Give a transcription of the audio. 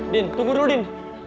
din tunggu dulu din